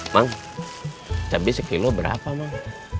mang cabai sekilo berapa mang